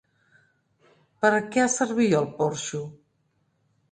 Per a què servia el porxo?